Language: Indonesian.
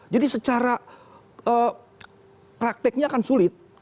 jadi secara prakteknya kan sulit